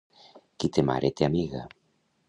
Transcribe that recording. Qui té mare, té amiga.